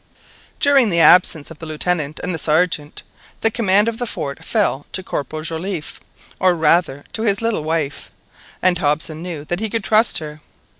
During the absence of the Lieutenant and the Sergeant, the command of the fort fell to Corporal Joliffe, or rather to his little wife, and Hobson knew that he could trust her.